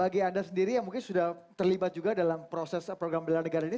bagi anda sendiri yang mungkin sudah terlibat juga dalam proses program bela negara ini